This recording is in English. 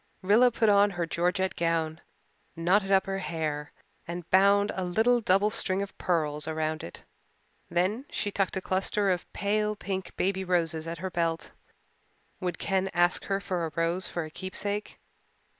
Rilla put on her georgette gown, knotted up her hair and bound a little double string of pearls around it. Then she tucked a cluster of pale pink baby roses at her belt. Would Ken ask her for a rose for a keepsake?